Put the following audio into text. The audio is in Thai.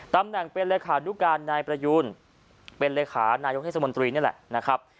ตำหนังเป็นราคานุการนายประยูนเป็นราคานายกฤษมนตรีนั่นแหละนะครับ